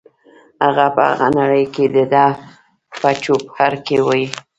هغه په هغه نړۍ کې دده په چوپړ کې وي.